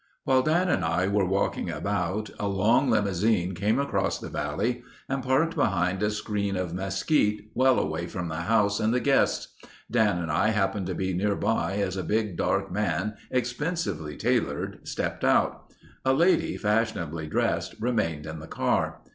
While Dan and I were walking about, a long limousine came across the valley and parked behind a screen of mesquite well away from the house and the guests. Dan and I happened to be nearby as a big, dark man expensively tailored stepped out. A lady fashionably dressed remained in the car.